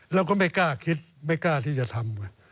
เราก็ไม่กล้าคิดไม่กล้าที่จะทำ